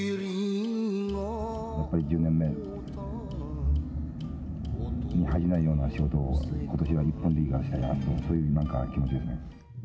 やっぱり１０年目に恥じないような仕事を、ことしは一本でいいからしたいなって、そういうなんか気持ちですね。